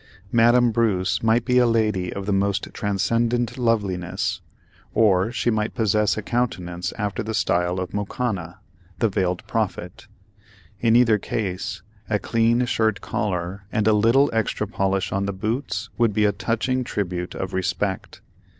Madame Bruce might be a lady of the most transcendent loveliness, or she might possess a countenance after the style of Mokanna, the Veiled Prophet; in either case, a clean shirt collar and a little extra polish on the boots would be a touching tribute of respect.